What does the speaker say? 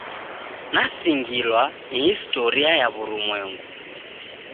Nasingilwa ni historia ya w'urumwengu.